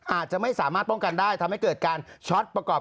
อาจจะไม่สามารถป้องกันได้ทำให้เกิดการช็อตประกอบ